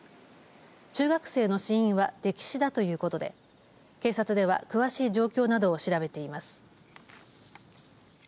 中学生の死因は溺死だということで警察では詳しい状況などを調べています。